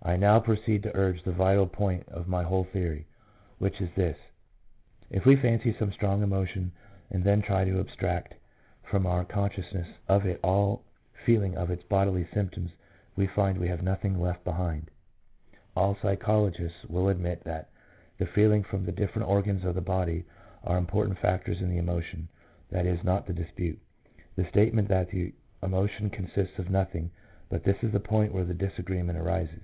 " I now proceed to urge the vital point of my whole theory, which is this : If we fancy some strong emotion, and then try to abstract from our consciousness of it all feelings of its bodily symptoms, we find we have nothing left behind." 1 All psychologists will admit that the feelings from the different organs of the body are important factors in the emotion ; that is not the dispute. The statement that the emotion consists of nothing but this is the point where the disagreement arises.